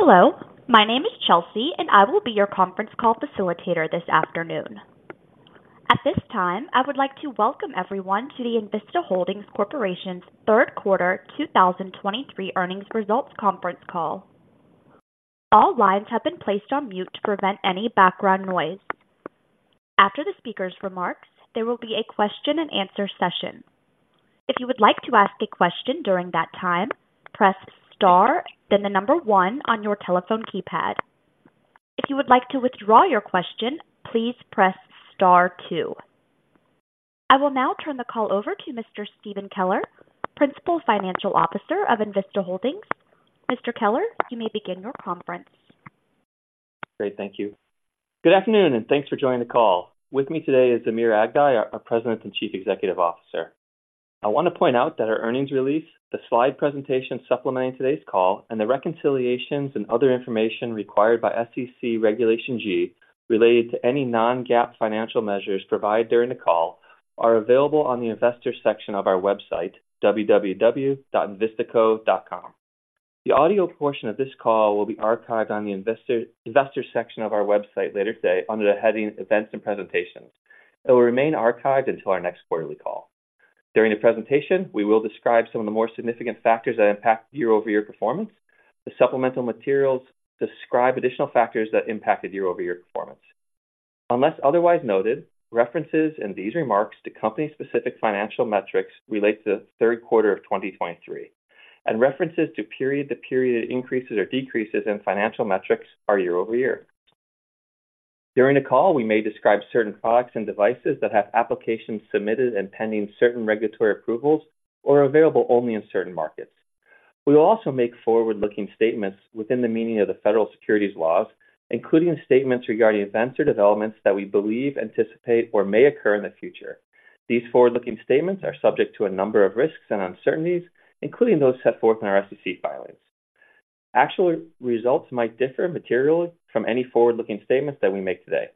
Hello, my name is Chelsea, and I will be your conference call facilitator this afternoon. At this time, I would like to welcome everyone to the Envista Holdings Corporation's third quarter 2023 earnings results conference call. All lines have been placed on mute to prevent any background noise. After the speaker's remarks, there will be a question and answer session. If you would like to ask a question during that time, press Star, then the number one on your telephone keypad. If you would like to withdraw your question, please press Star two. I will now turn the call over to Mr. Stephen Keller, Principal Financial Officer of Envista Holdings. Mr. Keller, you may begin your conference. Great. Thank you. Good afternoon, and thanks for joining the call. With me today is Amir Aghdaei, our President and Chief Executive Officer. I want to point out that our earnings release, the slide presentation supplementing today's call, and the reconciliations and other information required by SEC Regulation G related to any non-GAAP financial measures provided during the call, are available on the investor section of our website, www.envistaco.com. The audio portion of this call will be archived on the investor section of our website later today under the heading Events and Presentations. It will remain archived until our next quarterly call. During the presentation, we will describe some of the more significant factors that impact year-over-year performance. The supplemental materials describe additional factors that impacted year-over-year performance. Unless otherwise noted, references in these remarks to company-specific financial metrics relate to the third quarter of 2023, and references to period-to-period increases or decreases in financial metrics are year over year. During the call, we may describe certain products and devices that have applications submitted and pending certain regulatory approvals or are available only in certain markets. We will also make forward-looking statements within the meaning of the federal securities laws, including statements regarding events or developments that we believe, anticipate, or may occur in the future. These forward-looking statements are subject to a number of risks and uncertainties, including those set forth in our SEC filings. Actual results might differ materially from any forward-looking statements that we make today.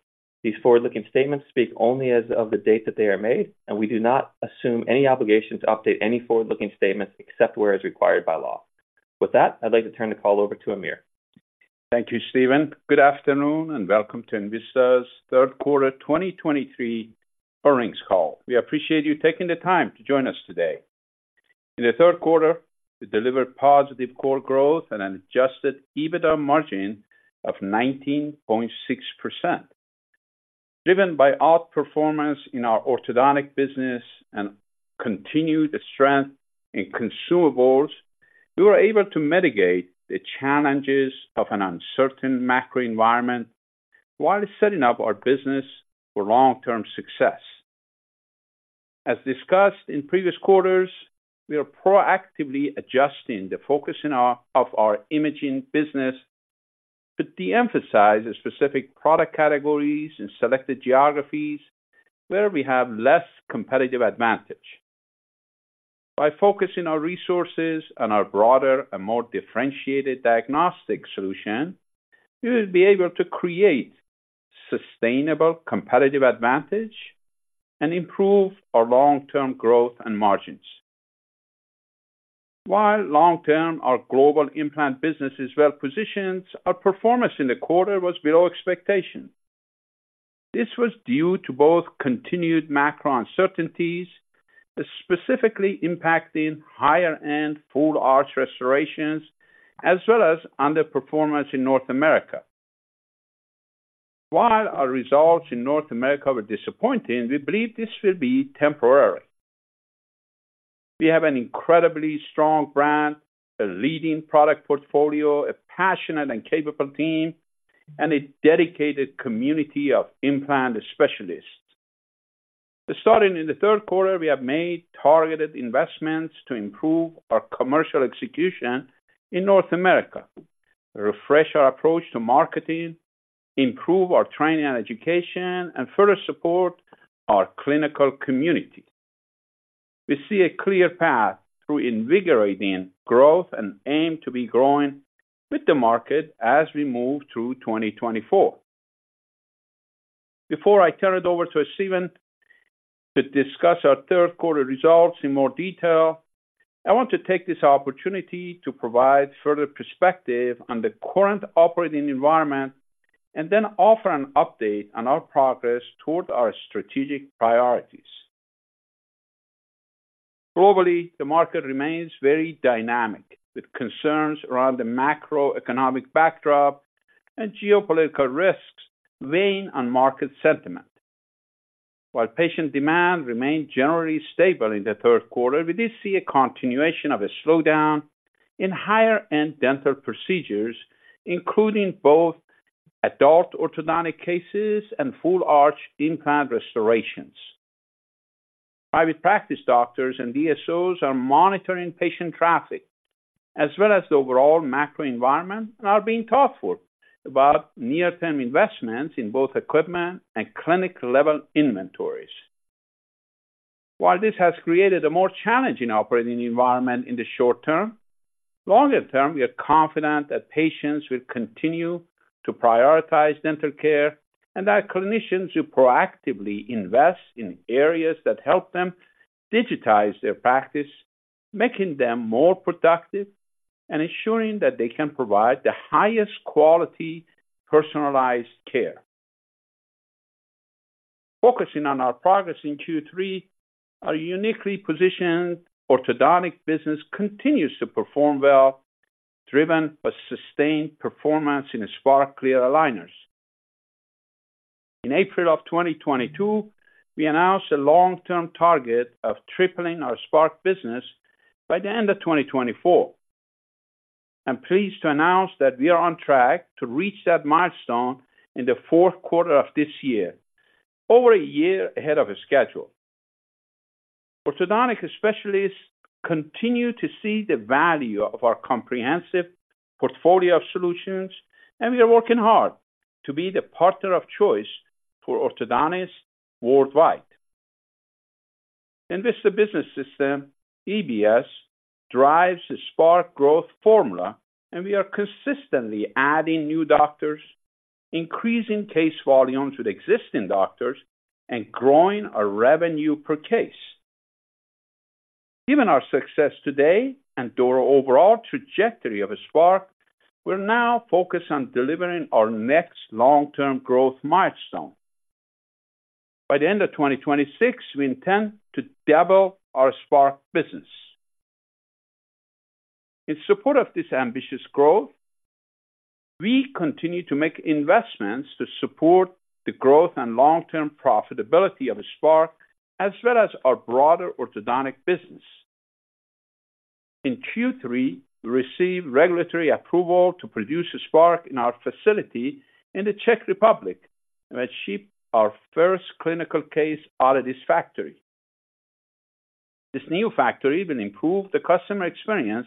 These forward-looking statements speak only as of the date that they are made, and we do not assume any obligation to update any forward-looking statements except as required by law. With that, I'd like to turn the call over to Amir. Thank you, Stephen. Good afternoon, and welcome to Envista's third quarter 2023 earnings call. We appreciate you taking the time to join us today. In the third quarter, we delivered positive core growth and an adjusted EBITDA margin of 19.6%. Driven by outperformance in our orthodontic business and continued strength in consumables, we were able to mitigate the challenges of an uncertain macro environment while setting up our business for long-term success. As discussed in previous quarters, we are proactively adjusting the focus of our imaging business to de-emphasize the specific product categories in selected geographies where we have less competitive advantage. By focusing our resources on our broader and more differentiated diagnostic solution, we will be able to create sustainable competitive advantage and improve our long-term growth and margins. While long-term, our global implant business is well positioned, our performance in the quarter was below expectations. This was due to both continued macro uncertainties, specifically impacting higher-end full arch restorations, as well as underperformance in North America. While our results in North America were disappointing, we believe this will be temporary. We have an incredibly strong brand, a leading product portfolio, a passionate and capable team, and a dedicated community of implant specialists. Starting in the third quarter, we have made targeted investments to improve our commercial execution in North America, refresh our approach to marketing, improve our training and education, and further support our clinical community. We see a clear path through invigorating growth and aim to be growing with the market as we move through 2024. Before I turn it over to Stephen to discuss our third quarter results in more detail, I want to take this opportunity to provide further perspective on the current operating environment and then offer an update on our progress toward our strategic priorities. Globally, the market remains very dynamic, with concerns around the macroeconomic backdrop and geopolitical risks weighing on market sentiment. While patient demand remained generally stable in the third quarter, we did see a continuation of a slowdown in higher-end dental procedures, including both adult orthodontic cases and full arch implant restorations. Private practice doctors and DSOs are monitoring patient traffic as well as the overall macro environment and are being thoughtful about near-term investments in both equipment and clinic-level inventories. While this has created a more challenging operating environment in the short term, longer term, we are confident that patients will continue to prioritize dental care and that clinicians will proactively invest in areas that help them digitize their practice, making them more productive and ensuring that they can provide the highest quality, personalized care. Focusing on our progress in Q3, our uniquely positioned orthodontic business continues to perform well, driven by sustained performance in Spark Clear Aligners. In April of 2022, we announced a long-term target of tripling our Spark business by the end of 2024. I'm pleased to announce that we are on track to reach that milestone in the fourth quarter of this year, over a year ahead of schedule. Orthodontic specialists continue to see the value of our comprehensive portfolio of solutions, and we are working hard to be the partner of choice for orthodontists worldwide. With the business system, EBS, drives the Spark growth formula, and we are consistently adding new doctors, increasing case volume to the existing doctors, and growing our revenue per case. Given our success today and to our overall trajectory of Spark, we're now focused on delivering our next long-term growth milestone. By the end of 2026, we intend to double our Spark business. In support of this ambitious growth, we continue to make investments to support the growth and long-term profitability of Spark, as well as our broader orthodontic business. In Q3, we received regulatory approval to produce a Spark in our facility in the Czech Republic, and we shipped our first clinical case out of this factory. This new factory will improve the customer experience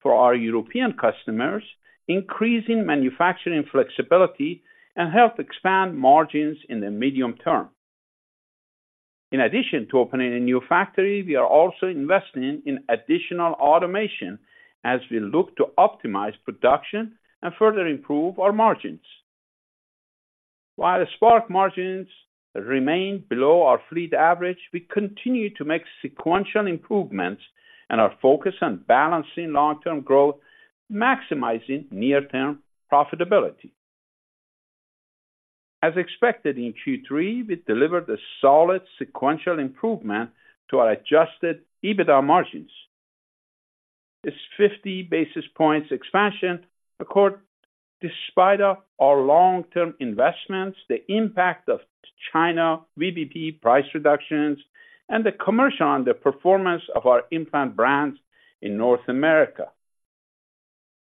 for our European customers, increasing manufacturing flexibility, and help expand margins in the medium term. In addition to opening a new factory, we are also investing in additional automation as we look to optimize production and further improve our margins. While the Spark margins remain below our fleet average, we continue to make sequential improvements and are focused on balancing long-term growth, maximizing near-term profitability. As expected, in Q3, we delivered a solid sequential improvement to our adjusted EBITDA margins. This 50 basis points expansion occurred despite of our long-term investments, the impact of China, VBP price reductions, and the commercial on the performance of our implant brands in North America.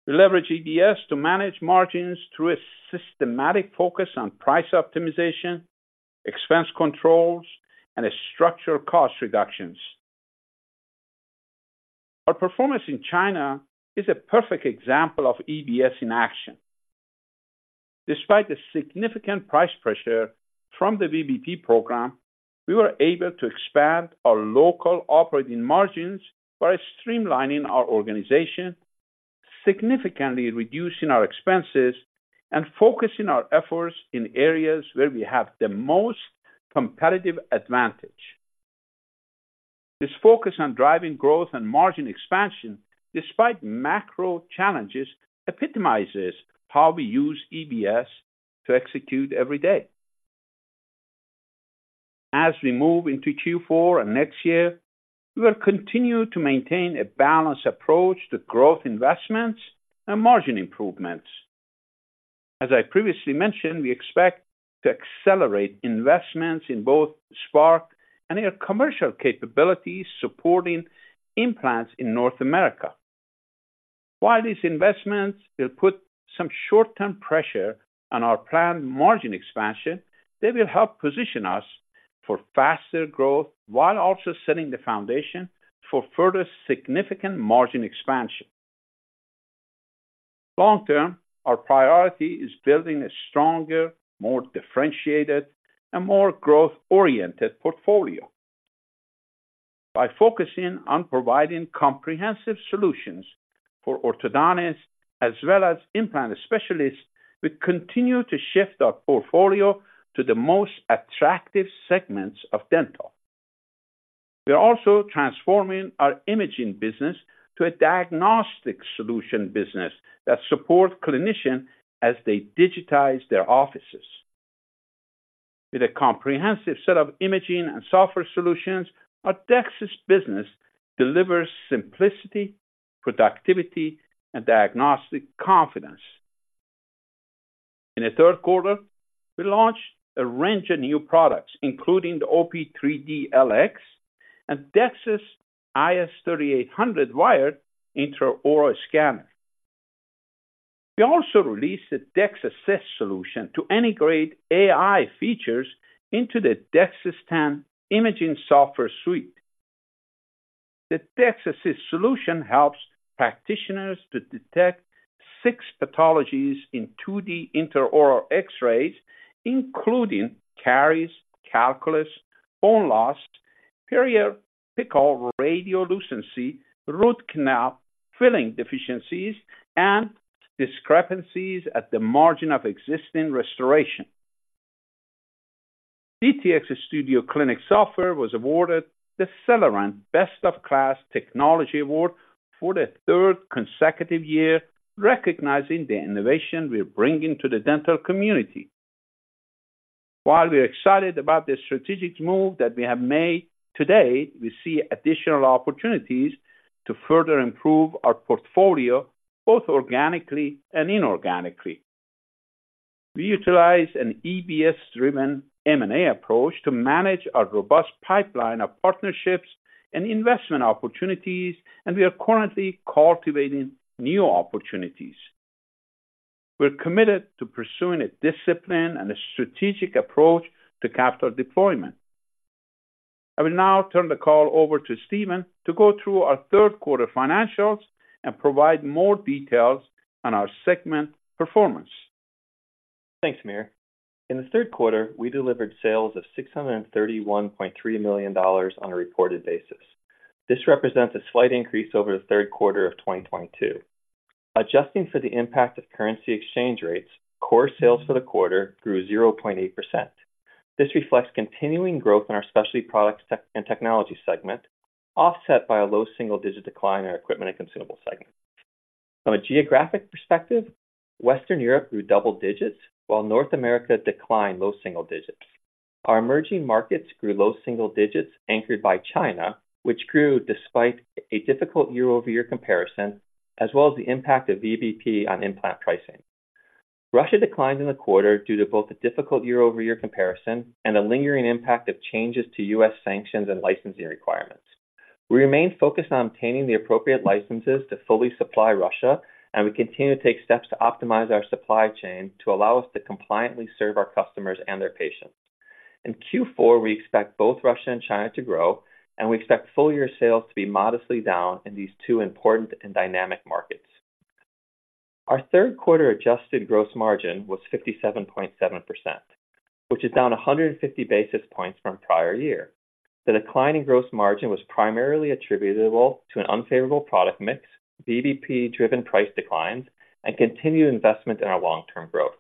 We leverage EBS to manage margins through a systematic focus on price optimization, expense controls, and structural cost reductions. Our performance in China is a perfect example of EBS in action. Despite the significant price pressure from the VBP program, we were able to expand our local operating margins by streamlining our organization, significantly reducing our expenses, and focusing our efforts in areas where we have the most competitive advantage. This focus on driving growth and margin expansion, despite macro challenges, epitomizes how we use EBS to execute every day. As we move into Q4 and next year, we will continue to maintain a balanced approach to growth investments and margin improvements. As I previously mentioned, we expect to accelerate investments in both Spark and our commercial capabilities supporting implants in North America. While these investments will put some short-term pressure on our planned margin expansion, they will help position us for faster growth, while also setting the foundation for further significant margin expansion. Long term, our priority is building a stronger, more differentiated, and more growth-oriented portfolio. By focusing on providing comprehensive solutions for orthodontists as well as implant specialists, we continue to shift our portfolio to the most attractive segments of dental. We are also transforming our imaging business to a diagnostic solution business that supports clinicians as they digitize their offices. With a comprehensive set of imaging and software solutions, our DEXIS business delivers simplicity, productivity, and diagnostic confidence. In the third quarter, we launched a range of new products, including the OP 3D LX and DEXIS IS 3800 wired intraoral scanner. We also released the DEXIS Assist solution to integrate AI features into the DEXIS 10 imaging software suite. The DEXIS Assist solution helps practitioners to detect six pathologies in 2D intraoral X-rays, including caries, calculus, bone loss, periapical radiolucency, root canal filling deficiencies, and discrepancies at the margin of existing restoration. DTX Studio Clinic software was awarded the Cellerant Best of Class Technology Award for the third consecutive year, recognizing the innovation we're bringing to the dental community. While we're excited about the strategic move that we have made, today, we see additional opportunities to further improve our portfolio, both organically and inorganically. We utilize an EBS-driven M&A approach to manage our robust pipeline of partnerships and investment opportunities, and we are currently cultivating new opportunities. We're committed to pursuing a discipline and a strategic approach to capital deployment. I will now turn the call over to Stephen to go through our third quarter financials and provide more details on our segment performance. Thanks, Amir. In the third quarter, we delivered sales of $631.3 million on a reported basis. This represents a slight increase over the third quarter of 2022. Adjusting for the impact of currency exchange rates, core sales for the quarter grew 0.8%. This reflects continuing growth in our specialty products and technology segment, offset by a low single-digit decline in our equipment and consumable segment. From a geographic perspective, Western Europe grew double digits, while North America declined low single digits. Our emerging markets grew low single digits, anchored by China, which grew despite a difficult year-over-year comparison, as well as the impact of VBP on implant pricing. Russia declined in the quarter due to both the difficult year-over-year comparison and a lingering impact of changes to U.S. sanctions and licensing requirements. We remain focused on obtaining the appropriate licenses to fully supply Russia, and we continue to take steps to optimize our supply chain to allow us to compliantly serve our customers and their patients. In Q4, we expect both Russia and China to grow, and we expect full year sales to be modestly down in these two important and dynamic markets. Our third quarter adjusted gross margin was 57.7%, which is down 150 basis points from prior year. The decline in gross margin was primarily attributable to an unfavorable product mix, VBP-driven price declines, and continued investment in our long-term growth.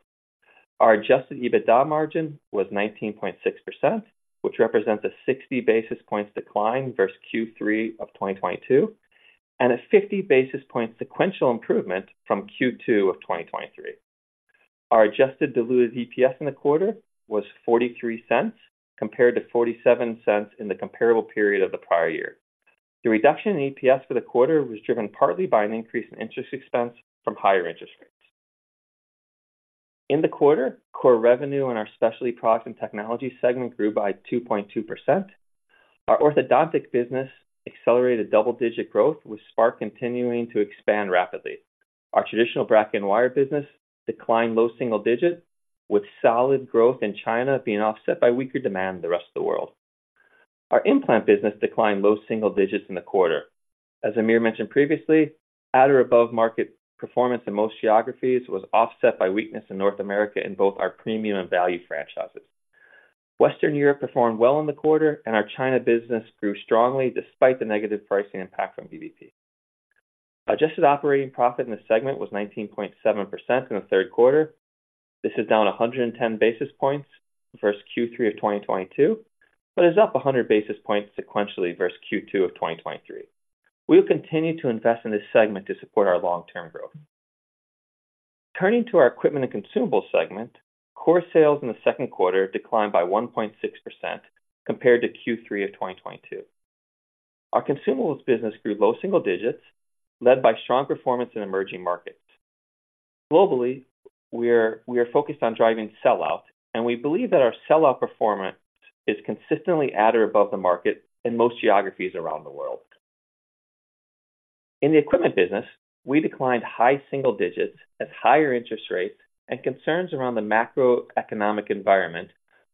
Our Adjusted EBITDA margin was 19.6%, which represents a 60 basis points decline versus Q3 of 2022, and a 50 basis point sequential improvement from Q2 of 2023. Our adjusted diluted EPS in the quarter was $0.43, compared to $0.47 in the comparable period of the prior year. The reduction in EPS for the quarter was driven partly by an increase in interest expense from higher interest rates. In the quarter, core revenue in our specialty product and technology segment grew by 2.2%. Our orthodontic business accelerated double-digit growth, with Spark continuing to expand rapidly. Our traditional bracket and wire business declined low single digits, with solid growth in China being offset by weaker demand in the rest of the world. Our implant business declined low single digits in the quarter. As Amir mentioned previously, at or above-market performance in most geographies was offset by weakness in North America in both our premium and value franchises. Western Europe performed well in the quarter, and our China business grew strongly despite the negative pricing impact from VBP. Adjusted operating profit in this segment was 19.7% in the third quarter. This is down 110 basis points versus Q3 of 2022, but is up 100 basis points sequentially versus Q2 of 2023. We will continue to invest in this segment to support our long-term growth. Turning to our equipment and consumables segment, core sales in the second quarter declined by 1.6% compared to Q3 of 2022. Our consumables business grew low single digits, led by strong performance in emerging markets. Globally, we're, we are focused on driving sell-out, and we believe that our sell-out performance is consistently at or above the market in most geographies around the world. In the equipment business, we declined high single digits as higher interest rates and concerns around the macroeconomic environment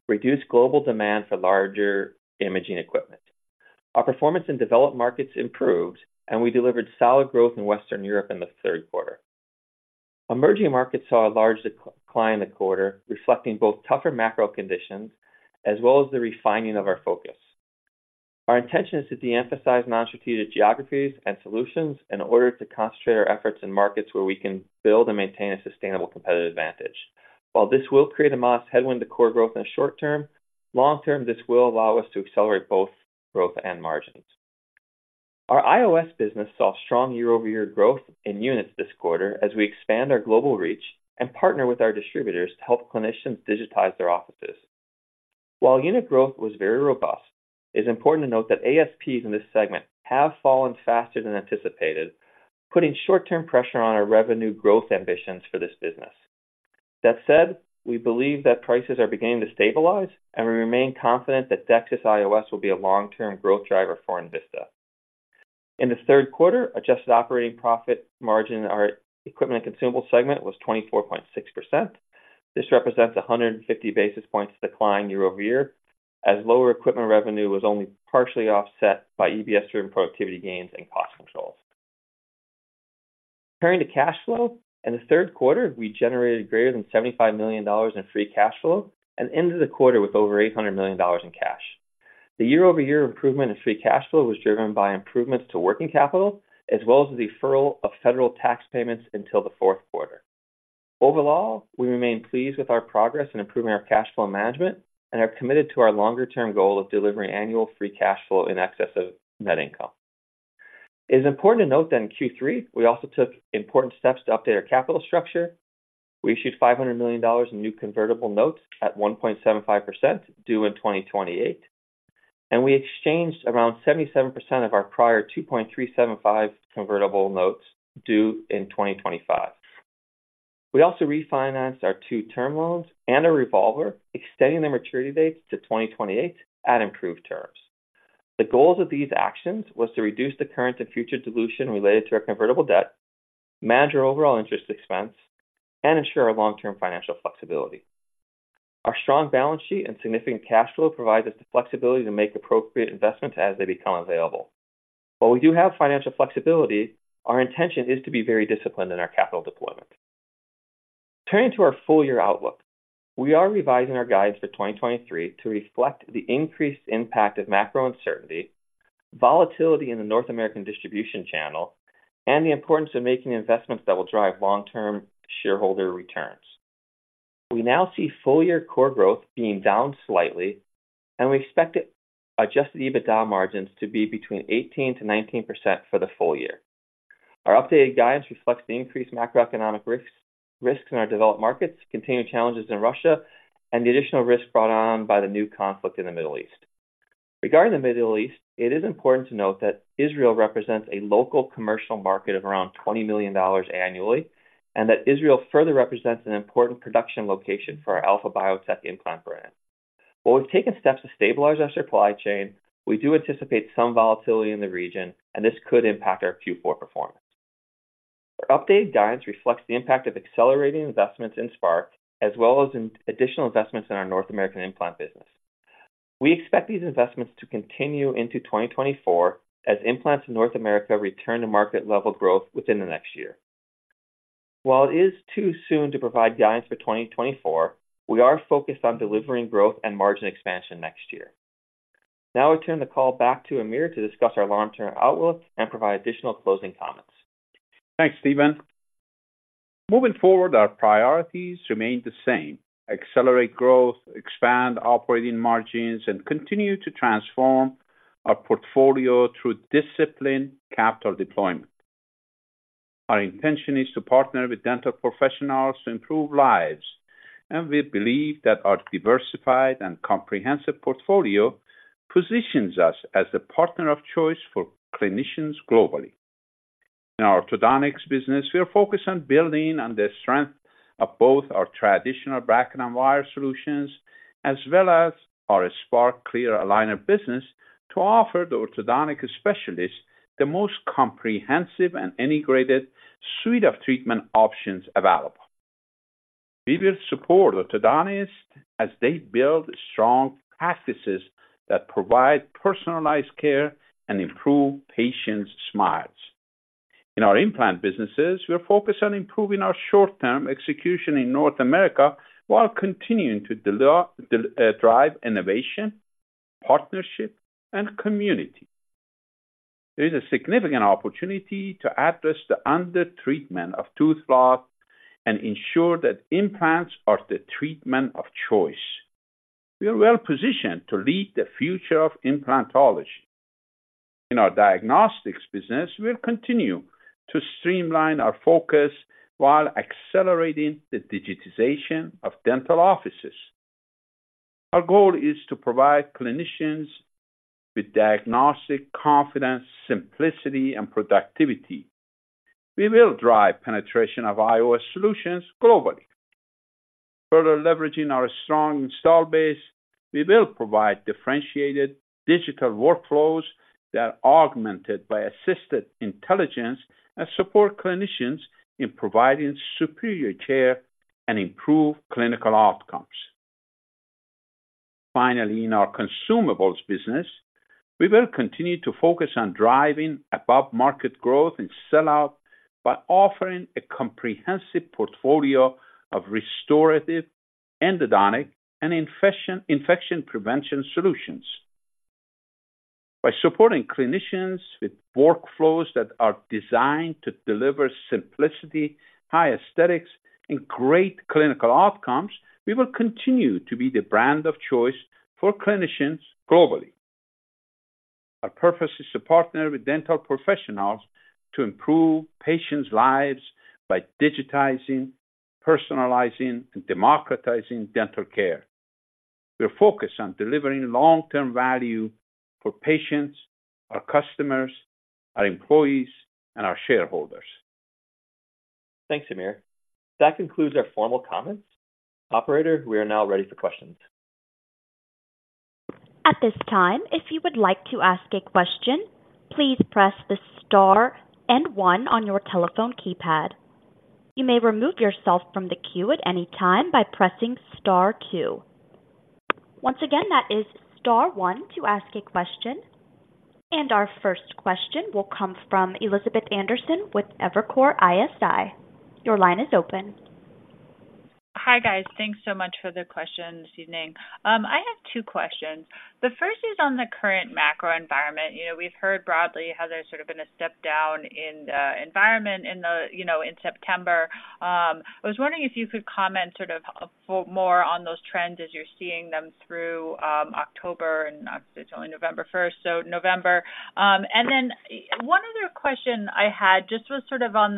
reduced global demand for larger imaging equipment. Our performance in developed markets improved, and we delivered solid growth in Western Europe in the third quarter. Emerging markets saw a large decline in the quarter, reflecting both tougher macro conditions as well as the refining of our focus. Our intention is to de-emphasize non-strategic geographies and solutions in order to concentrate our efforts in markets where we can build and maintain a sustainable competitive advantage. While this will create a modest headwind to core growth in the short term, long term, this will allow us to accelerate both growth and margins. Our IOS business saw strong year-over-year growth in units this quarter as we expand our global reach and partner with our distributors to help clinicians digitize their offices. While unit growth was very robust, it's important to note that ASPs in this segment have fallen faster than anticipated, putting short-term pressure on our revenue growth ambitions for this business. That said, we believe that prices are beginning to stabilize, and we remain confident that DEXIS IOS will be a long-term growth driver for Envista. In the third quarter, adjusted operating profit margin in our equipment and consumable segment was 24.6%. This represents a 150 basis points decline year-over-year, as lower equipment revenue was only partially offset by EBS-driven productivity gains and cost controls. Turning to cash flow, in the third quarter, we generated greater than $75 million in free cash flow and ended the quarter with over $800 million in cash. The year-over-year improvement in free cash flow was driven by improvements to working capital, as well as the deferral of federal tax payments until the fourth quarter. Overall, we remain pleased with our progress in improving our cash flow management and are committed to our longer-term goal of delivering annual free cash flow in excess of net income. It is important to note that in Q3, we also took important steps to update our capital structure. We issued $500 million in new convertible notes at 1.75%, due in 2028, and we exchanged around 77% of our prior 2.375 convertible notes, due in 2025. We also refinanced our two term loans and a revolver, extending the maturity dates to 2028 at improved terms. The goals of these actions was to reduce the current and future dilution related to our convertible debt, manage our overall interest expense, and ensure our long-term financial flexibility. Our strong balance sheet and significant cash flow provides us the flexibility to make appropriate investments as they become available. While we do have financial flexibility, our intention is to be very disciplined in our capital deployment. Turning to our full year outlook, we are revising our guidance for 2023 to reflect the increased impact of macro uncertainty, volatility in the North American distribution channel, and the importance of making investments that will drive long-term shareholder returns. We now see full-year core growth being down slightly, and we expect Adjusted EBITDA margins to be between 18%-19% for the full year. Our updated guidance reflects the increased macroeconomic risks, risks in our developed markets, continuing challenges in Russia, and the additional risks brought on by the new conflict in the Middle East. Regarding the Middle East, it is important to note that Israel represents a local commercial market of around $20 million annually, and that Israel further represents an important production location for our Alpha-Bio Tec implant brand. While we've taken steps to stabilize our supply chain, we do anticipate some volatility in the region, and this could impact our Q4 performance. Our updated guidance reflects the impact of accelerating investments in Spark, as well as in additional investments in our North American implant business. We expect these investments to continue into 2024 as implants in North America return to market level growth within the next year. While it is too soon to provide guidance for 2024, we are focused on delivering growth and margin expansion next year. Now I turn the call back to Amir to discuss our long-term outlook and provide additional closing comments. Thanks, Stephen. Moving forward, our priorities remain the same: accelerate growth, expand operating margins, and continue to transform our portfolio through disciplined capital deployment. Our intention is to partner with dental professionals to improve lives, and we believe that our diversified and comprehensive portfolio positions us as the partner of choice for clinicians globally. In our orthodontics business, we are focused on building on the strength of both our traditional bracket and wire solutions, as well as our Spark clear aligner business, to offer the orthodontic specialists the most comprehensive and integrated suite of treatment options available. We will support orthodontists as they build strong practices that provide personalized care and improve patients' smiles. In our implant businesses, we are focused on improving our short-term execution in North America while continuing to drive innovation, partnership, and community. There is a significant opportunity to address the undertreatment of tooth loss and ensure that implants are the treatment of choice. We are well positioned to lead the future of implantology. In our diagnostics business, we'll continue to streamline our focus while accelerating the digitization of dental offices. Our goal is to provide clinicians with diagnostic confidence, simplicity, and productivity. We will drive penetration of IOS solutions globally. Further leveraging our strong install base, we will provide differentiated digital workflows that are augmented by assisted intelligence and support clinicians in providing superior care and improve clinical outcomes. Finally, in our consumables business, we will continue to focus on driving above-market growth and sell-out by offering a comprehensive portfolio of restorative, endodontic, and infection prevention solutions. By supporting clinicians with workflows that are designed to deliver simplicity, high aesthetics, and great clinical outcomes, we will continue to be the brand of choice for clinicians globally. Our purpose is to partner with dental professionals to improve patients' lives by digitizing, personalizing, and democratizing dental care. We are focused on delivering long-term value for patients, our customers, our employees, and our shareholders. Thanks, Amir. That concludes our formal comments. Operator, we are now ready for questions. At this time, if you would like to ask a question, please press the star and one on your telephone keypad. You may remove yourself from the queue at any time by pressing star two. Once again, that is star one to ask a question. And our first question will come from Elizabeth Anderson with Evercore ISI. Your line is open.... Hi, guys. Thanks so much for the question this evening. I have two questions. The first is on the current macro environment. You know, we've heard broadly how there's sort of been a step down in the environment in the, you know, in September. I was wondering if you could comment sort of, for more on those trends as you're seeing them through, October and obviously only November first, so November. And then one other question I had just was sort of on.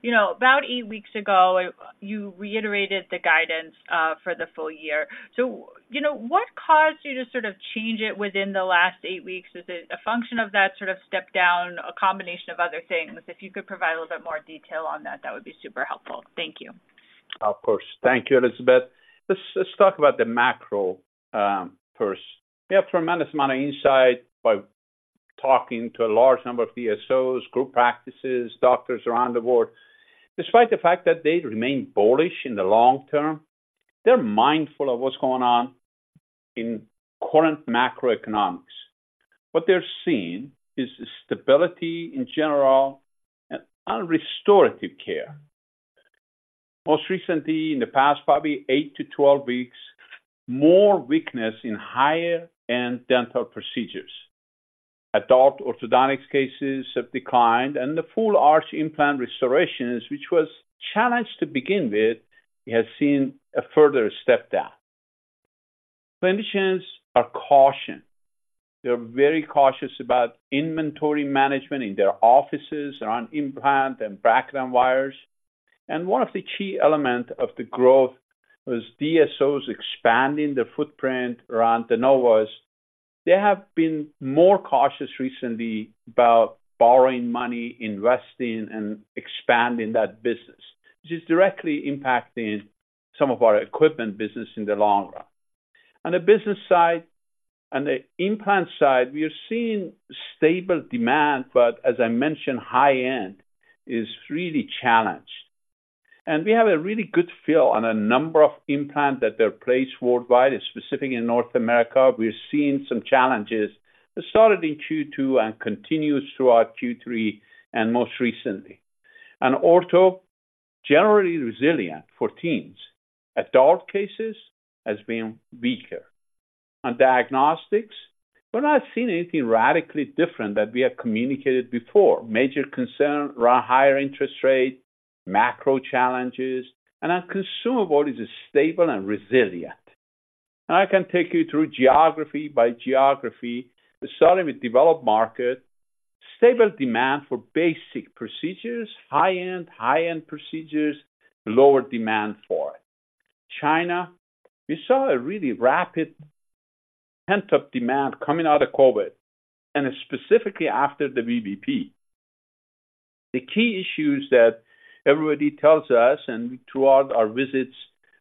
You know, about eight weeks ago, you reiterated the guidance for the full year. So, you know, what caused you to sort of change it within the last eight weeks? Is it a function of that sort of step down, a combination of other things? If you could provide a little bit more detail on that, that would be super helpful. Thank you. Of course. Thank you, Elizabeth. Let's, let's talk about the macro, first. We have tremendous amount of insight by talking to a large number of DSOs, group practices, doctors around the world. Despite the fact that they remain bullish in the long term, they're mindful of what's going on in current macroeconomics. What they're seeing is stability in general and on restorative care. Most recently, in the past, probably 8-12 weeks, more weakness in higher-end dental procedures. Adult orthodontics cases have declined, and the full arch implant restorations, which was challenged to begin with, has seen a further step down. Clinicians are cautious. They're very cautious about inventory management in their offices, around implant and bracket and wires. And one of the key elements of the growth was DSOs expanding the footprint around the Nobel’s. They have been more cautious recently about borrowing money, investing, and expanding that business, which is directly impacting some of our equipment business in the long run. On the business side and the implant side, we are seeing stable demand, but as I mentioned, high-end is really challenged, and we have a really good feel on a number of implants that are placed worldwide and specifically in North America. We're seeing some challenges that started in Q2 and continues throughout Q3 and most recently. And ortho, generally resilient for teens. Adult cases has been weaker. On diagnostics, we're not seeing anything radically different that we have communicated before. Major concern around higher interest rates, macro challenges, and our consumable is stable and resilient. I can take you through geography by geography, starting with developed market. Stable demand for basic procedures, high-end, high-end procedures, lower demand for it. China, we saw a really rapid pent-up demand coming out of COVID, and specifically after the VBP. The key issues that everybody tells us, and throughout our visits,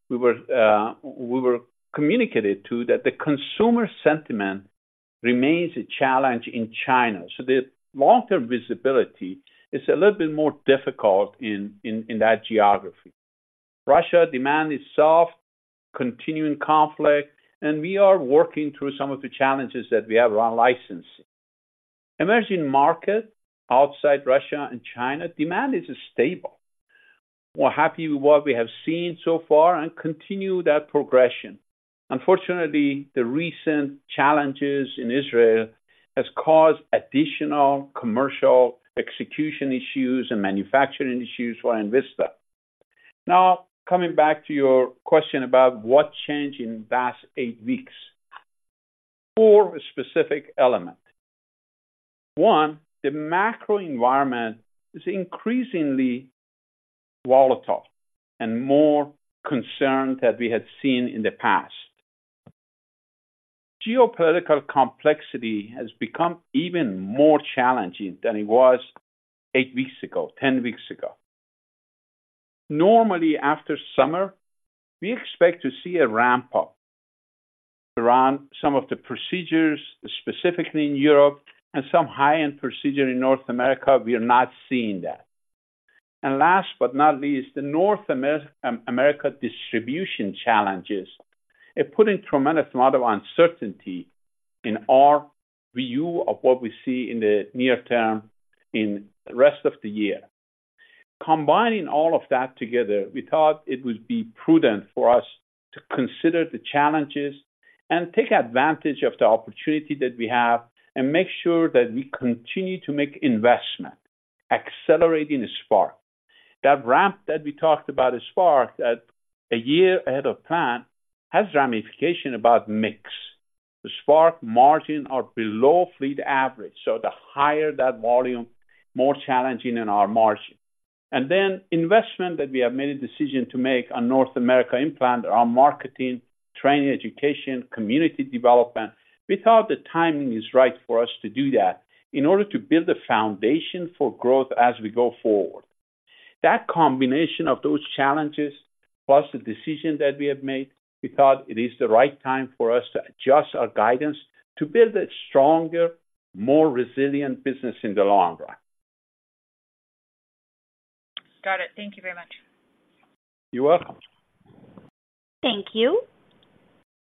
we were, we were communicated to, that the consumer sentiment remains a challenge in China, so the long-term visibility is a little bit more difficult in, in, in that geography. Russia, demand is soft, continuing conflict, and we are working through some of the challenges that we have around licensing. Emerging market, outside Russia and China, demand is stable. We're happy with what we have seen so far and continue that progression. Unfortunately, the recent challenges in Israel has caused additional commercial execution issues and manufacturing issues for Envista. Now, coming back to your question about what changed in the last eight weeks. Four specific elements. One, the macro environment is increasingly volatile and more concerned than we had seen in the past. Geopolitical complexity has become even more challenging than it was eight weeks ago, 10 weeks ago. Normally, after summer, we expect to see a ramp up around some of the procedures, specifically in Europe and some high-end procedure in North America. We are not seeing that. And last but not least, the North America distribution challenges are putting tremendous amount of uncertainty in our view of what we see in the near term, in the rest of the year. Combining all of that together, we thought it would be prudent for us to consider the challenges and take advantage of the opportunity that we have and make sure that we continue to make investment, accelerating Spark. That ramp that we talked about as Spark, that a year ahead of plan, has ramification about mix. The Spark margin are below fleet average, so the higher that volume, more challenging in our margin. Then investment that we have made a decision to make on North America implant, on marketing, training, education, community development. We thought the timing is right for us to do that in order to build a foundation for growth as we go forward. That combination of those challenges, plus the decision that we have made, we thought it is the right time for us to adjust our guidance to build a stronger, more resilient business in the long run. Got it. Thank you very much. You're welcome. Thank you.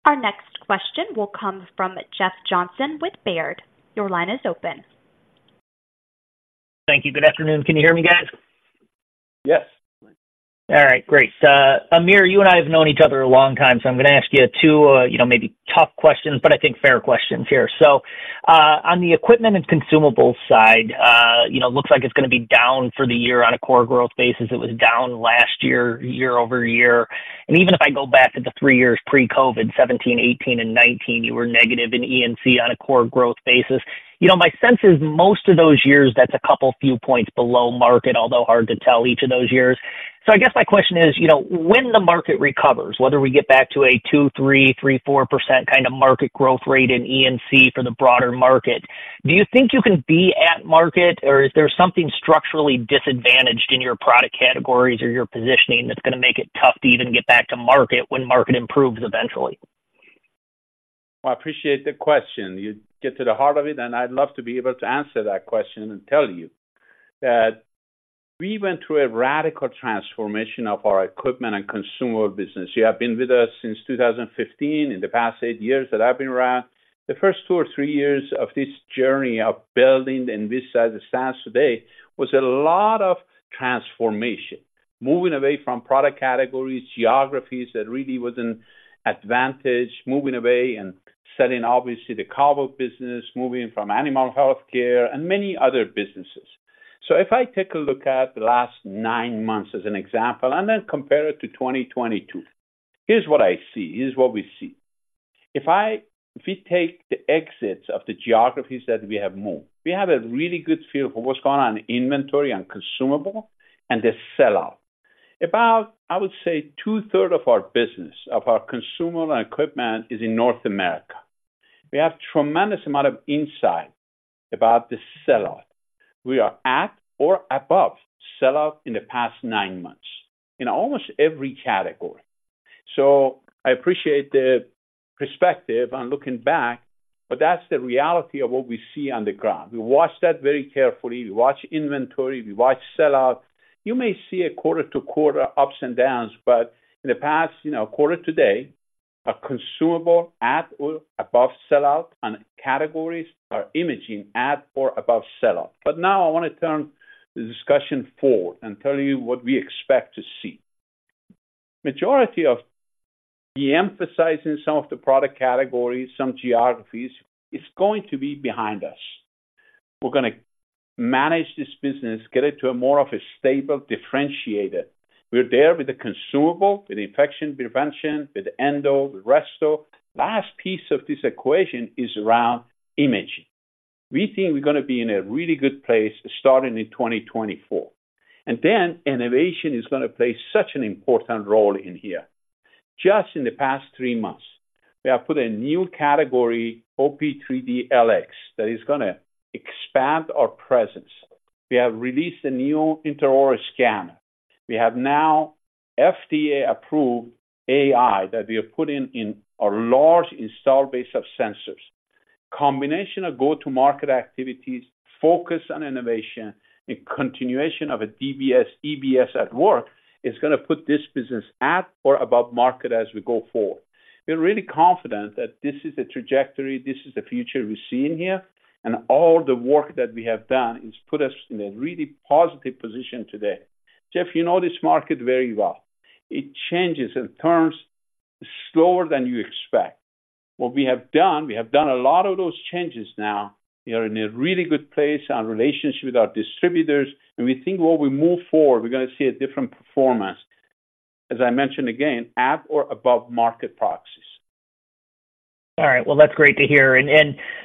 Our next question will come from Jeff Johnson with Baird. Your line is open. ...Thank you. Good afternoon. Can you hear me, guys? Yes. All right, great. Amir, you and I have known each other a long time, so I'm going to ask you two, you know, maybe tough questions, but I think fair questions here. So, on the equipment and consumables side, you know, looks like it's going to be down for the year on a core growth basis. It was down last year, year-over-year. Even if I go back to the three years pre-COVID, 2017, 2018, and 2019, you were negative in Envista on a core growth basis. You know, my sense is most of those years, that's a couple few points below market, although hard to tell each of those years. So I guess my question is, you know, when the market recovers, whether we get back to a 2%, 3%, 3%, 4% kind of market growth rate in E&C for the broader market, do you think you can be at market, or is there something structurally disadvantaged in your product categories or your positioning that's going to make it tough to even get back to market when market improves eventually? I appreciate the question. You get to the heart of it, and I'd love to be able to answer that question and tell you that we went through a radical transformation of our equipment and consumer business. You have been with us since 2015. In the past eight years that I've been around, the first two or three years of this journey of building and this as it stands today, was a lot of transformation. Moving away from product categories, geographies that really was an advantage, moving away and selling, obviously, the KaVo business, moving from animal healthcare and many other businesses. So if I take a look at the last nine months as an example and then compare it to 2022, here's what I see. Here's what we see. If we take the ex-US of the geographies that we have moved, we have a really good feel for what's going on in inventory and consumables and the sell-out. About, I would say 2/3 of our business, of our consumables and equipment, is in North America. We have a tremendous amount of insight about the sell-out. We are at or above sell-out in the past nine months in almost every category. So I appreciate the perspective on looking back, but that's the reality of what we see on the ground. We watch that very carefully. We watch inventory, we watch sell-out. You may see a quarter-to-quarter ups and downs, but in the past, you know, quarter to date, consumables at or above sell-out on categories are imaging at or above sell-out. But now I want to turn the discussion forward and tell you what we expect to see. majority of de-emphasizing some of the product categories, some geographies, is going to be behind us. We're going to manage this business, get it to a more of a stable, differentiated. We're there with the consumable, with infection prevention, with endo, with resto. Last piece of this equation is around imaging. We think we're going to be in a really good place starting in 2024, and then innovation is going to play such an important role in here. Just in the past three months, we have put a new category, OP 3D LX, that is going to expand our presence. We have released a new intraoral scanner. We have now FDA-approved AI that we have put in, in our large install base of sensors. Combination of go-to-market activities, focus on innovation, and continuation of a DBS, EBS at work is going to put this business at or above market as we go forward. We're really confident that this is the trajectory, this is the future we see in here, and all the work that we have done has put us in a really positive position today. Jeff, you know this market very well. It changes and turns slower than you expect. What we have done, we have done a lot of those changes now. We are in a really good place, our relationship with our distributors, and we think while we move forward, we're going to see a different performance, as I mentioned again, at or above market proxies. All right, well, that's great to hear. And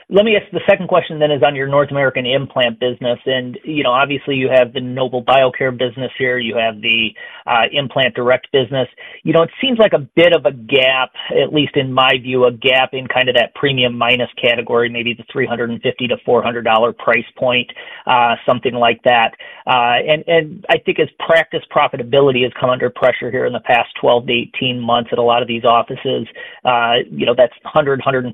let me ask the second question then is on your North American implant business, and you know, obviously, you have the Nobel Biocare business here. You have the Implant Direct business. You know, it seems like a bit of a gap, at least in my view, a gap in kind of that premium minus category, maybe the $350-$400 price point, something like that. And I think as practice profitability has come under pressure here in the past 12-18 months at a lot of these offices, you know, that's $150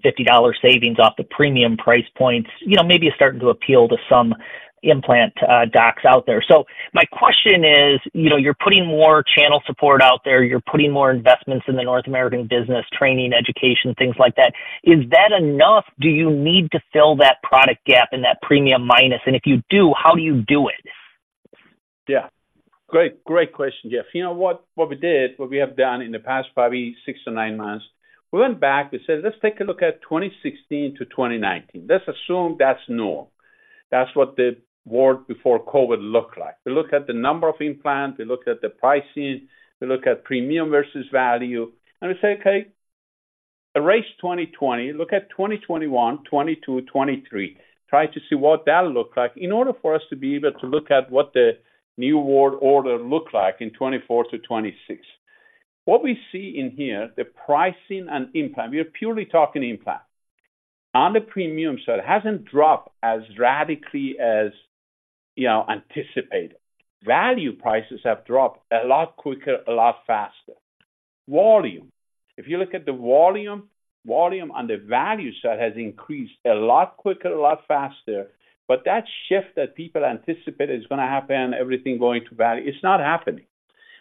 savings off the premium price points. You know, maybe it's starting to appeal to some implant docs out there. So my question is, you know, you're putting more channel support out there. You're putting more investments in the North American business, training, education, things like that. Is that enough? Do you need to fill that product gap in that premium minus? And if you do, how do you do it? Yeah. Great, great question, Jeff. You know what? What we did, what we have done in the past probably 6-9 months, we went back, we said, "Let's take a look at 2016 to 2019. Let's assume that's normal. That's what the world before COVID looked like." We looked at the number of implants, we looked at the pricing, we looked at premium versus value, and we said, "Okay, erase 2020. Look at 2021, 2022, 2023. Try to see what that look like in order for us to be able to look at what the new world order look like in 2024 to 2026." What we see in here, the pricing and implant, we are purely talking implant. On the premium side, it hasn't dropped as radically as, you know, anticipated. Value prices have dropped a lot quicker, a lot faster. Volume. If you look at the volume, volume on the value side has increased a lot quicker, a lot faster. But that shift that people anticipate is going to happen, everything going to value, it's not happening...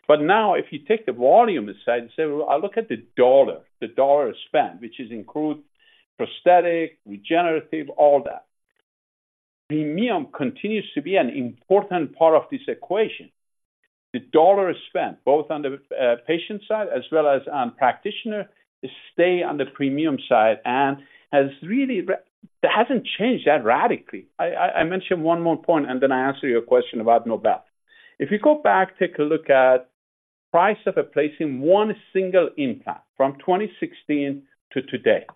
But now if you take the volume aside and say, "Well, I look at the dollar, the dollar spent," which includes prosthetic, regenerative, all that. Premium continues to be an important part of this equation. The dollar is spent both on the patient side as well as on practitioner, stay on the premium side and has really re- that hasn't changed that radically. I mention one more point, and then I answer your question about Nobel. If you go back, take a look at the price of placing one single implant from 2016 to today,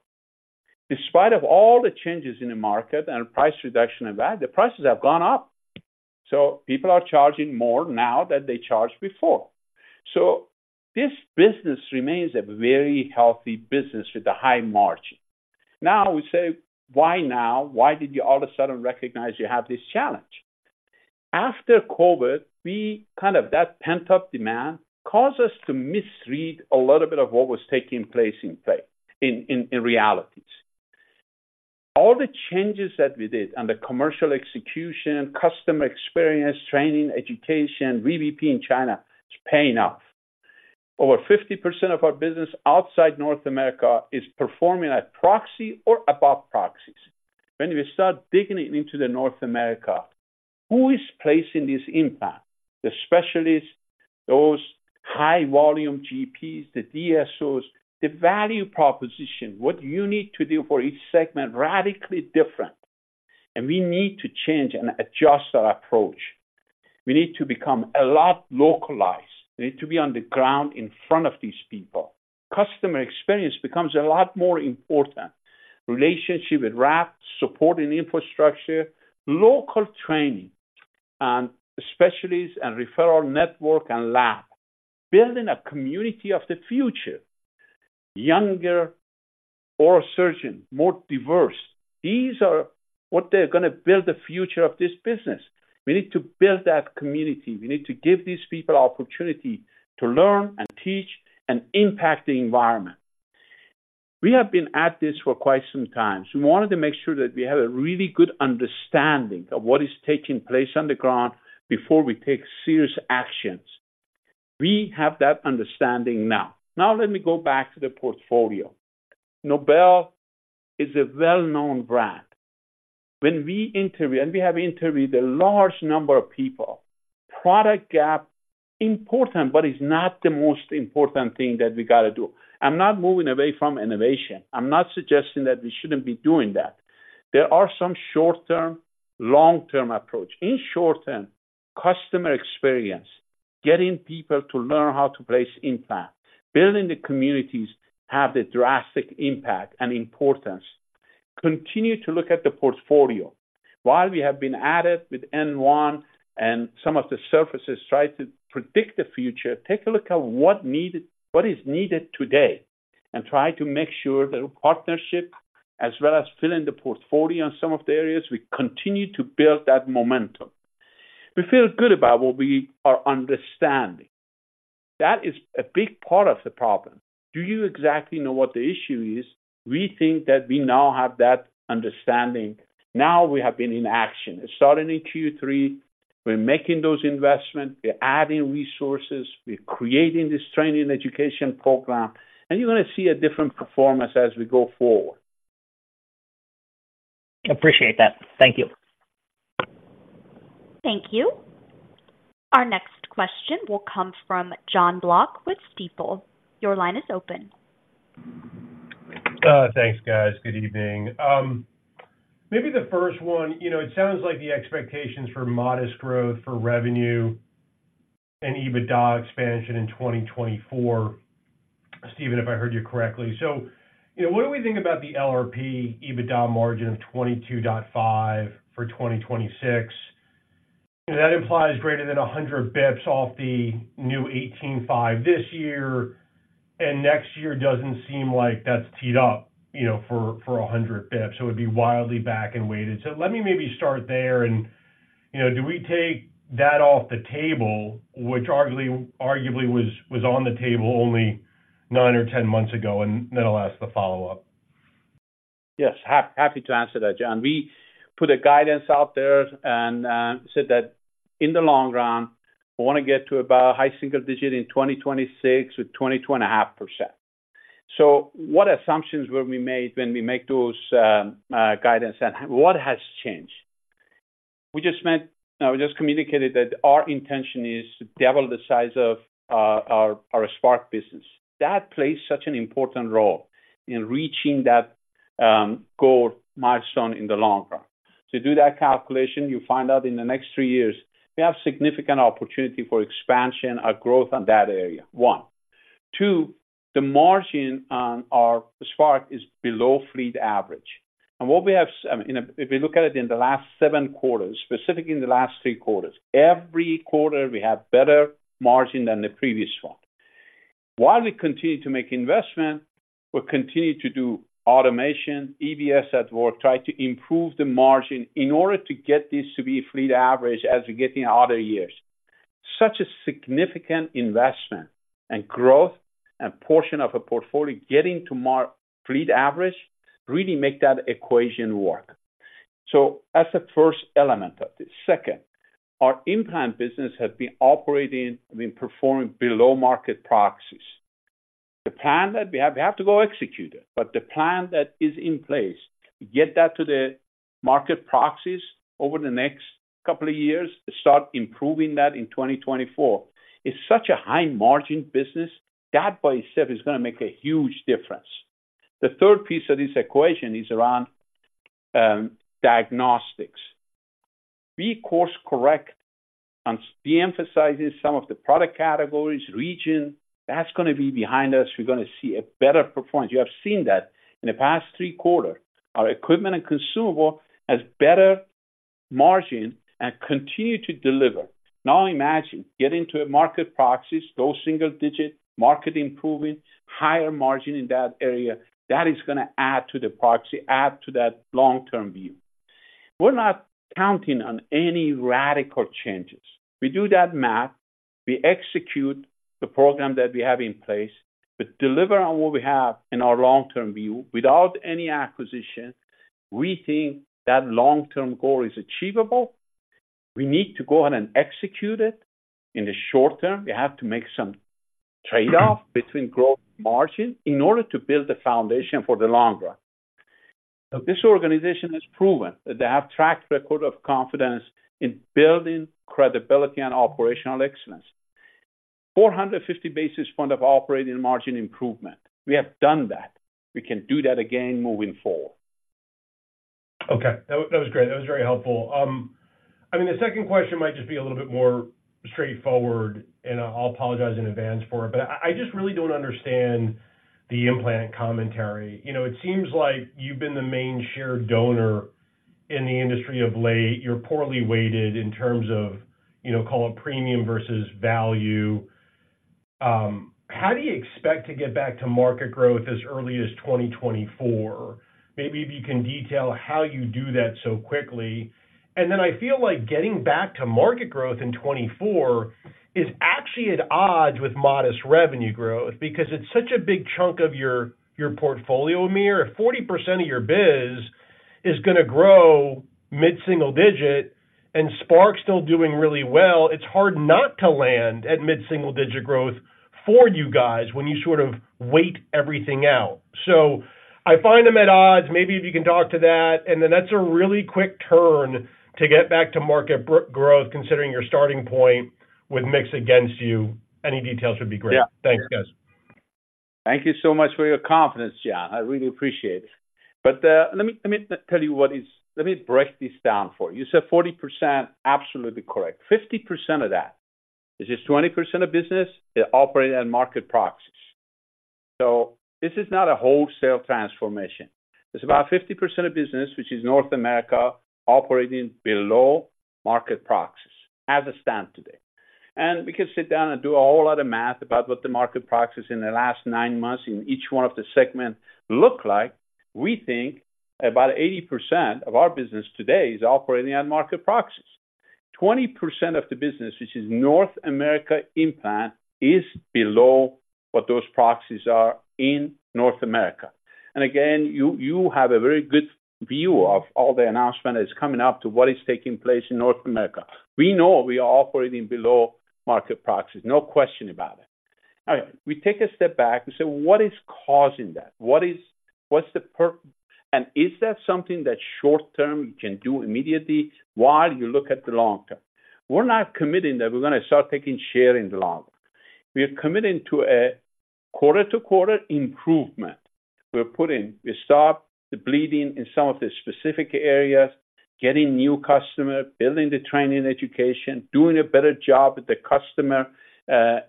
despite all the changes in the market and price reduction and that, the prices have gone up. So people are charging more now than they charged before. So this business remains a very healthy business with a high margin. Now, we say, "Why now? Why did you all of a sudden recognize you have this challenge?" After COVID, we kind of—that pent-up demand caused us to misread a little bit of what was taking place in play in realities. All the changes that we did on the commercial execution, customer experience, training, education, VBP in China, is paying off. Over 50% of our business outside North America is performing at proxy or above proxies. When we start digging into North America, who is placing this implant? The specialists, those high-volume GPs, the DSOs. The value proposition, what you need to do for each segment, radically different, and we need to change and adjust our approach. We need to become a lot localized. We need to be on the ground in front of these people. Customer experience becomes a lot more important. Relationship with reps, supporting infrastructure, local training, and specialists and referral network and lab. Building a community of the future, younger oral surgeon, more diverse. These are what they're gonna build the future of this business. We need to build that community. We need to give these people opportunity to learn and teach and impact the environment. We have been at this for quite some time, so we wanted to make sure that we have a really good understanding of what is taking place on the ground before we take serious actions. We have that understanding now. Now, let me go back to the portfolio. Nobel is a well-known brand. When we interview, and we have interviewed a large number of people, product gap, important, but is not the most important thing that we got to do. I'm not moving away from innovation. I'm not suggesting that we shouldn't be doing that. There are some short-term, long-term approach. In short term, customer experience, getting people to learn how to place implants, building the communities, have the drastic impact and importance. Continue to look at the portfolio. While we have been at it with Nobel Biocare N1 and some of the surfaces, try to predict the future, take a look at what needed- what is needed today, and try to make sure through partnership, as well as filling the portfolio on some of the areas, we continue to build that momentum. We feel good about what we are understanding. That is a big part of the problem. Do you exactly know what the issue is? We think that we now have that understanding. Now, we have been in action. It started in Q3. We're making those investments, we're adding resources, we're creating this training education program, and you're gonna see a different performance as we go forward. Appreciate that. Thank you. Thank you. Our next question will come from Jon Block with Stifel. Your line is open. Thanks, guys. Good evening. Maybe the first one, you know, it sounds like the expectations for modest growth for revenue and EBITDA expansion in 2024, Steven, if I heard you correctly. So, you know, what do we think about the LRP EBITDA margin of 22.5 for 2026? That implies greater than 100 basis points off the new 18.5 this year, and next year doesn't seem like that's teed up, you know, for, for 100 basis points, so it'd be wildly back and weighted. So let me maybe start there and, you know, do we take that off the table, which arguably, arguably was, was on the table only nine or 10 months ago? And then I'll ask the follow-up. Yes, happy to answer that, Jon. We put a guidance out there and said that in the long run, we want to get to about high single digit in 2026, with 22.5%. So what assumptions will we make when we make those guidance, and what has changed? We just communicated that our intention is to double the size of our Spark business. That plays such an important role in reaching that goal milestone in the long run. To do that calculation, you find out in the next three years, we have significant opportunity for expansion or growth on that area, one. Two, the margin on our Spark is below fleet average. What we have, if we look at it in the last seven quarters, specifically in the last three quarters, every quarter, we have better margin than the previous one. While we continue to make investment, we continue to do automation, EBS at work, try to improve the margin in order to get this to be fleet average as we get in other years. Such a significant investment and growth and portion of a portfolio getting to fleet average really make that equation work. So that's the first element of this. Second, our implant business has been operating, been performing below market proxies. The plan that we have, we have to go execute it, but the plan that is in place, get that to the market proxies over the next couple of years, to start improving that in 2024. It's such a high-margin business. That by itself is going to make a huge difference. The third piece of this equation is around diagnostics. We course correct and de-emphasize some of the product categories, regions. That's going to be behind us. We're going to see a better performance. You have seen that in the past three quarters. Our equipment and consumables have better margins and continue to deliver. Now, imagine getting to a market proxies, low single digit, market improving, higher margin in that area, that is going to add to the proxy, add to that long-term view. We're not counting on any radical changes. We do that math, we execute the program that we have in place, but deliver on what we have in our long-term view. Without any acquisition, we think that long-term goal is achievable. We need to go ahead and execute it. In the short term, we have to make some trade-off between growth and margin in order to build the foundation for the long run. This organization has proven that they have track record of confidence in building credibility and operational excellence. 450 basis points of operating margin improvement. We have done that. We can do that again moving forward. Okay. That was, that was great. That was very helpful. I mean, the second question might just be a little bit more straightforward, and I'll apologize in advance for it, but I just really don't understand the implant commentary. You know, it seems like you've been the main share donor in the industry of late. You're poorly weighted in terms of, you know, call it premium versus value. How do you expect to get back to market growth as early as 2024? Maybe if you can detail how you do that so quickly. And then I feel like getting back to market growth in 2024 is actually at odds with modest revenue growth because it's such a big chunk of your, your portfolio, Amir. If 40% of your biz is going to grow mid-single digit and Spark's still doing really well, it's hard not to land at mid-single digit growth for you guys when you sort of weigh everything out. So I find them at odds. Maybe if you can talk to that, and then that's a really quick turn to get back to market growth, considering your starting point with mix against you. Any details would be great. Yeah. Thanks, guys. Thank you so much for your confidence, Jon. I really appreciate it. But, let me, let me tell you what is—let me break this down for you. You said 40%, absolutely correct. 50% of that is just 20% of business is operating at market proxies. So this is not a wholesale transformation. It's about 50% of business, which is North America, operating below market proxies as a stand today. And we can sit down and do a whole lot of math about what the market proxies in the last 9 months in each one of the segment look like. We think about 80% of our business today is operating at market proxies. 20% of the business, which is North America implant, is below what those proxies are in North America. And again, you have a very good view of all the announcement that's coming up to what is taking place in North America. We know we are operating below market proxies, no question about it. All right, we take a step back and say: What is causing that? What is, what's? And is that something that short term you can do immediately while you look at the long term? We're not committing that we're going to start taking share in the long term. We are committing to a quarter-to-quarter improvement. We're putting - we stop the bleeding in some of the specific areas, getting new customer, building the training education, doing a better job with the customer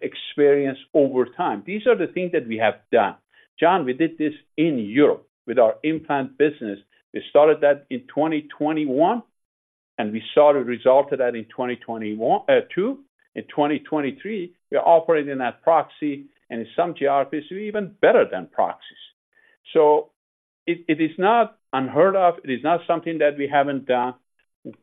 experience over time. These are the things that we have done. Jon, we did this in Europe with our implant business. We started that in 2021, and we saw the result of that in 2021, 2022. In 2023, we're operating at proxy, and in some geographies, we're even better than proxies. So it is not unheard of. It is not something that we haven't done.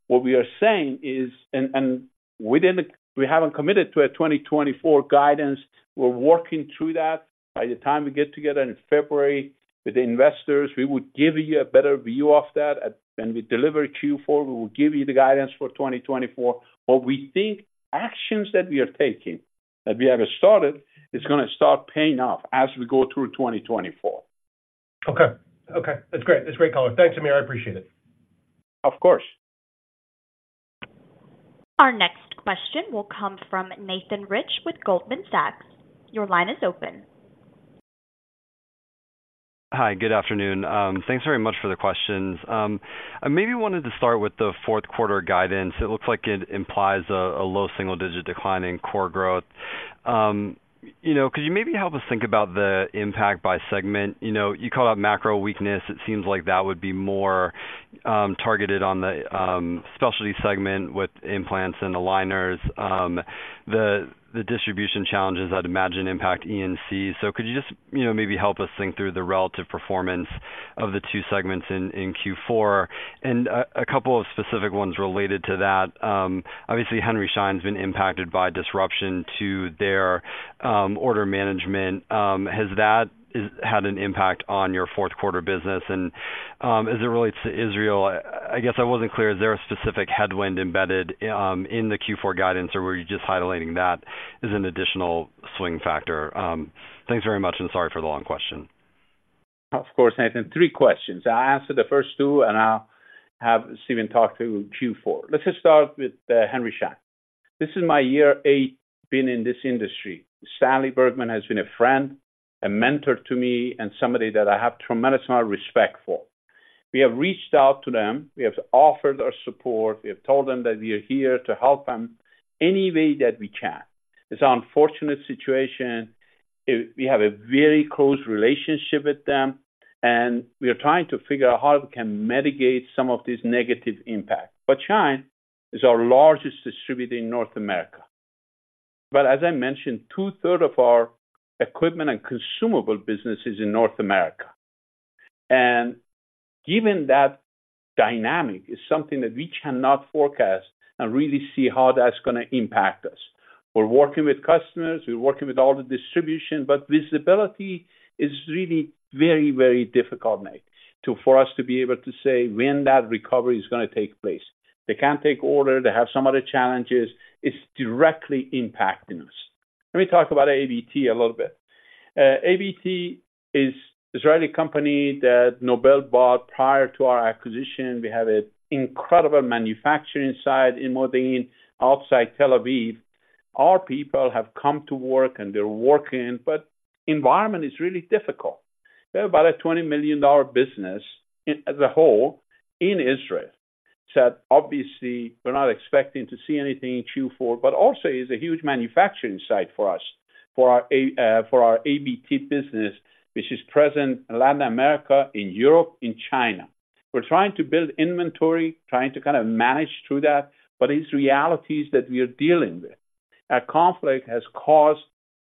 What we are saying is, and within the—we haven't committed to a 2024 guidance. We're working through that. By the time we get together in February with the investors, we would give you a better view of that. And when we deliver Q4, we will give you the guidance for 2024. But we think actions that we are taking, that we have started, is going to start paying off as we go through 2024. Okay. Okay, that's great. That's a great color. Thanks, Amir, I appreciate it. Of course. Our next question will come from Nathan Rich with Goldman Sachs. Your line is open. Hi, good afternoon. Thanks very much for the questions. I maybe wanted to start with the fourth quarter guidance. It looks like it implies a low single-digit decline in core growth. You know, could you maybe help us think about the impact by segment? You know, you call out macro weakness. It seems like that would be more targeted on the specialty segment with implants and aligners. The distribution challenges I'd imagine impact E and C. So could you just, you know, maybe help us think through the relative performance of the two segments in Q4? And a couple of specific ones related to that. Obviously, Henry Schein has been impacted by disruption to their order management. Has that had an impact on your fourth quarter business? And-... As it relates to Israel, I guess I wasn't clear. Is there a specific headwind embedded in the Q4 guidance, or were you just highlighting that as an additional swing factor? Thanks very much, and sorry for the long question. Of course, Nathan. Three questions. I answered the first two, and I'll have Steven talk to Q4. Let's just start with Henry Schein. This is my year eight being in this industry. Stanley Bergman has been a friend, a mentor to me, and somebody that I have tremendous amount of respect for. We have reached out to them. We have offered our support. We have told them that we are here to help them any way that we can. It's an unfortunate situation. It—we have a very close relationship with them, and we are trying to figure out how we can mitigate some of these negative impacts. But Schein is our largest distributor in North America. But as I mentioned, two-thirds of our equipment and consumable business is in North America. Given that dynamic is something that we cannot forecast and really see how that's gonna impact us. We're working with customers, we're working with all the distribution, but visibility is really very, very difficult, Nate, for us to be able to say when that recovery is gonna take place. They can't take order. They have some other challenges. It's directly impacting us. Let me talk about ABT a little bit. ABT is Israeli company that Nobel bought prior to our acquisition. We have an incredible manufacturing site in Modi'in, outside Tel Aviv. Our people have come to work, and they're working, but environment is really difficult. We have about a $20 million business in, as a whole, in Israel. So obviously, we're not expecting to see anything in Q4, but also is a huge manufacturing site for us, for our, for our ABT business, which is present in Latin America, in Europe, in China. We're trying to build inventory, trying to kind of manage through that, but it's realities that we are dealing with. A conflict has caused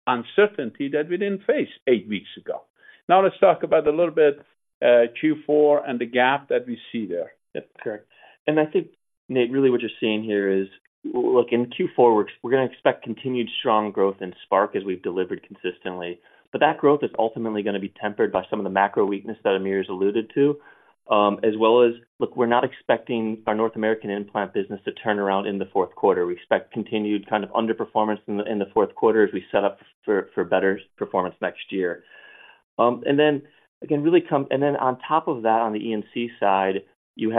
uncertainty that we didn't face eight weeks ago. Now, let's talk about a little bit, Q4 and the gap that we see there. Yeah, sure. And I think, Nate, really what you're seeing here is, look, in Q4, we're gonna expect continued strong growth in Spark, as we've delivered consistently. But that growth is ultimately gonna be tempered by some of the macro weakness that Amir's alluded to, as well as... Look, we're not expecting our North American implant business to turn around in the fourth quarter. We expect continued kind of underperformance in the fourth quarter as we set up for better performance next year. And then on top of that, on the E&C side, you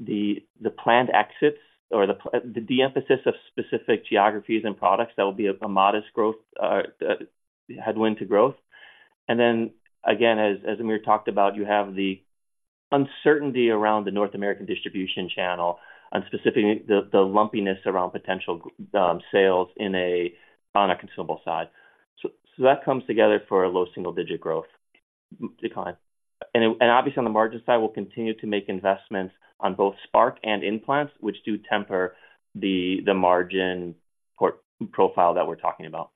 have the planned exits or the de-emphasis of specific geographies and products that will be a modest growth headwind to growth. And then again, as Amir talked about, you have the uncertainty around the North American distribution channel, and specifically, the lumpiness around potential sales on a consumable side. So that comes together for a low single-digit growth, decline. And obviously, on the margin side, we'll continue to make investments on both Spark and implants, which do temper the margin profile that we're talking about.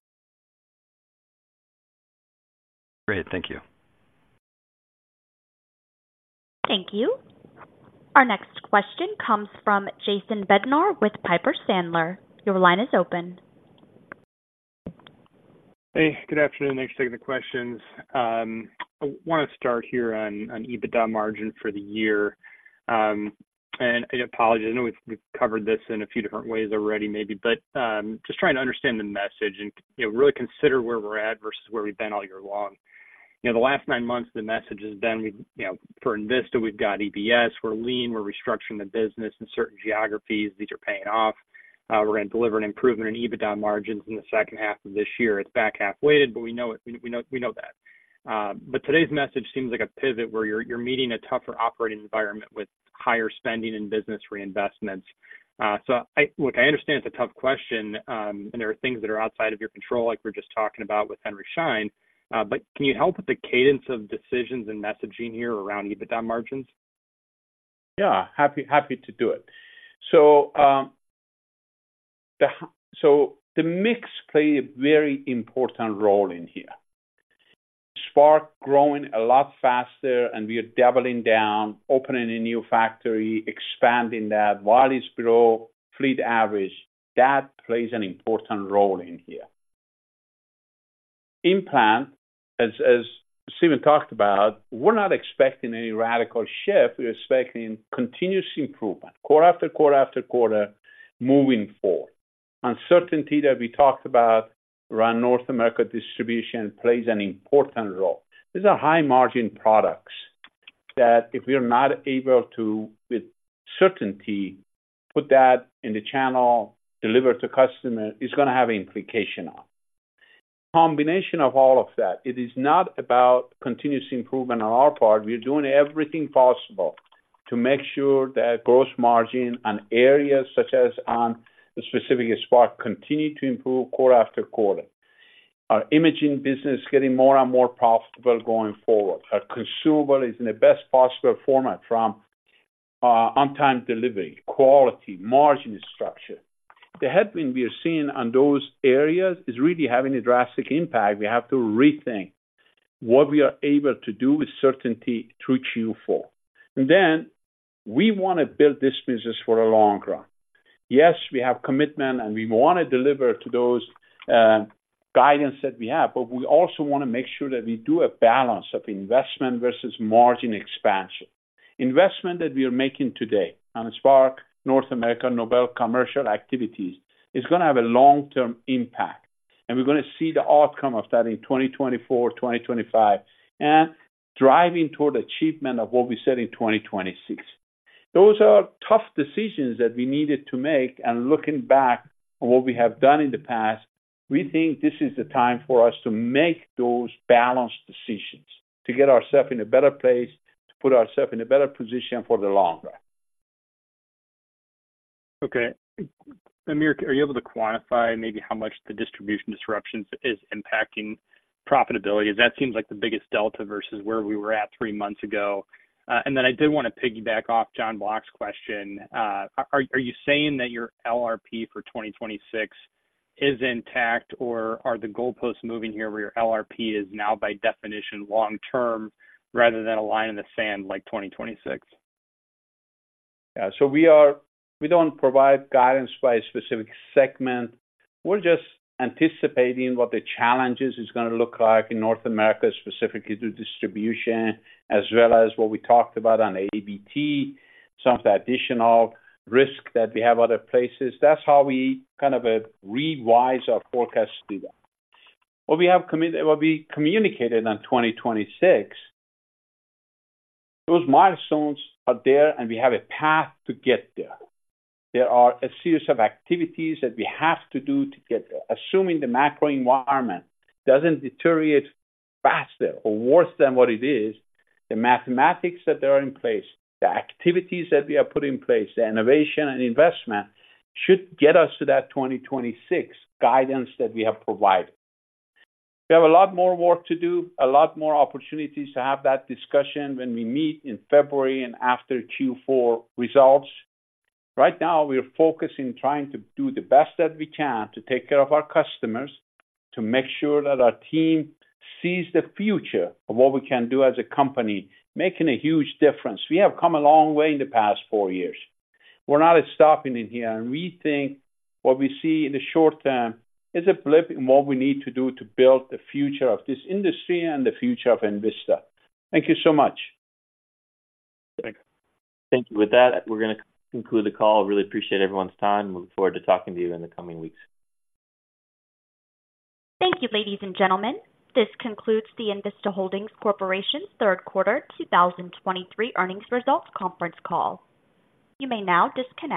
Great. Thank you. Thank you. Our next question comes from Jason Bednar with Piper Sandler. Your line is open. Hey, good afternoon. Thanks for taking the questions. I want to start here on EBITDA margin for the year. And I apologize. I know we've covered this in a few different ways already, maybe, but just trying to understand the message and, you know, really consider where we're at versus where we've been all year long. You know, the last nine months, the message has been we, you know, for Envista, we've got EBS, we're lean, we're restructuring the business in certain geographies. These are paying off. We're gonna deliver an improvement in EBITDA margins in the second half of this year. It's back half weighted, but we know it, we know, we know that. But today's message seems like a pivot, where you're meeting a tougher operating environment with higher spending and business reinvestments. So, look, I understand it's a tough question, and there are things that are outside of your control, like we're just talking about with Henry Schein, but can you help with the cadence of decisions and messaging here around EBITDA margins? Yeah, happy to do it. The mix play a very important role in here. Spark growing a lot faster, and we are doubling down, opening a new factory, expanding that. Wires grow fleet average. That plays an important role in here. Implant, as Steven talked about, we're not expecting any radical shift. We're expecting continuous improvement, quarter after quarter after quarter, moving forward. Uncertainty that we talked about around North America distribution plays an important role. These are high-margin products that if we are not able to, with certainty, put that in the channel, deliver to customer, it's gonna have implication on. Combination of all of that, it is not about continuous improvement on our part. We are doing everything possible to make sure that gross margin on areas such as on, specifically Spark, continue to improve quarter after quarter. Our imaging business is getting more and more profitable going forward. Our consumable is in the best possible format from, on-time delivery, quality, margin structure. The headwind we are seeing on those areas is really having a drastic impact. We have to rethink what we are able to do with certainty through Q4. And then we want to build this business for the long run.... Yes, we have commitment, and we wanna deliver to those, guidance that we have, but we also wanna make sure that we do a balance of investment versus margin expansion. Investment that we are making today on Spark, North America, Nobel commercial activities, is gonna have a long-term impact, and we're gonna see the outcome of that in 2024, 2025, and driving toward achievement of what we said in 2026. Those are tough decisions that we needed to make, and looking back on what we have done in the past, we think this is the time for us to make those balanced decisions, to get ourselves in a better place, to put ourselves in a better position for the long run. Okay. Amir, are you able to quantify maybe how much the distribution disruptions is impacting profitability? That seems like the biggest delta versus where we were at three months ago. And then I did want to piggyback off Jon Block's question. Are you saying that your LRP for 2026 is intact, or are the goalposts moving here, where your LRP is now, by definition, long term, rather than a line in the sand, like 2026? Yeah. So we are. We don't provide guidance by a specific segment. We're just anticipating what the challenges is gonna look like in North America, specifically through distribution, as well as what we talked about on ABT, some of the additional risk that we have other places. That's how we kind of revise our forecast through that. What we communicated on 2026, those milestones are there, and we have a path to get there. There are a series of activities that we have to do to get there. Assuming the macro environment doesn't deteriorate faster or worse than what it is, the mathematics that are in place, the activities that we have put in place, the innovation and investment, should get us to that 2026 guidance that we have provided. We have a lot more work to do, a lot more opportunities to have that discussion when we meet in February and after Q4 results. Right now, we are focusing, trying to do the best that we can to take care of our customers, to make sure that our team sees the future of what we can do as a company, making a huge difference. We have come a long way in the past four years. We're not stopping in here, and we think what we see in the short term is a blip in what we need to do to build the future of this industry and the future of Envista. Thank you so much. Thanks. Thank you. With that, we're gonna conclude the call. Really appreciate everyone's time. Looking forward to talking to you in the coming weeks. Thank you, ladies and gentlemen. This concludes the Envista Holdings Corporation third quarter 2023 earnings results conference call. You may now disconnect.